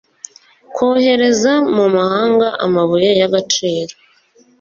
kohereza mu mahanga amabuye y agaciro